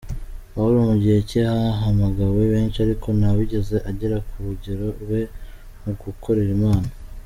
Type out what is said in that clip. Pawuro: Mu gihe cye hahamagawe benshi ariko ntawigeze agera kurugero rwe mu gukorera Imana.